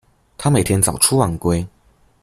他每天早出晚归